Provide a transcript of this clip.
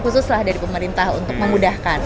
khusus dari pemerintah untuk mengudahkan